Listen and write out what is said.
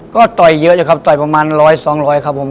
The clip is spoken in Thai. ก็ต่อยเยอะอยู่ครับต่อยประมาณร้อยสองร้อยครับผม